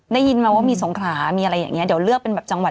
ได้ยินมาว่ามีสงขลามีอะไรอย่างนี้เดี๋ยวเลือกเป็นแบบจังหวัด